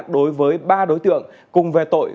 đối với ba đối tượng cùng về tội